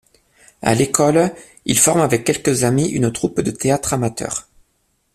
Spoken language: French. À l'école, il forme avec quelques amis une troupe de théâtre amateur.